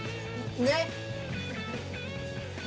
ねっ。